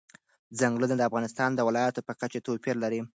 ځنګلونه د افغانستان د ولایاتو په کچه توپیر لري.